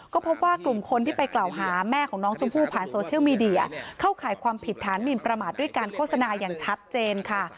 ก็พบว่ากลุ่มคนที่ไปกล่าวหาแม่ของน้องชมพู่ผ่านโซเชียลมีเดียเข้าข่ายความผิดฐานหมินประมาทด้วยการโฆษณาอย่างชัดเจนค่ะ